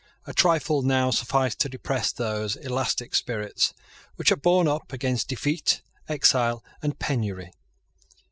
A trifle now sufficed to depress those elastic spirits which had borne up against defeat, exile, and penury.